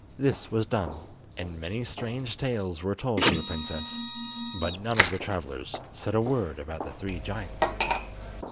This was done, and many strange tales were told to the princess, but none of the travellers said a word about the three giants.